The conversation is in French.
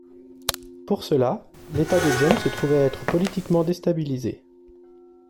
Pour cela, l'état de Zheng se trouvait à être politiquement déstabilisé.